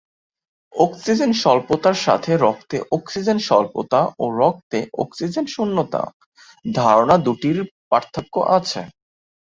Oxygen স্বল্পতার সাথে রক্তে অক্সিজেন স্বল্পতা ও রক্তে অক্সিজেন শূন্যতা ধারণা দুইটির পার্থক্য আছে।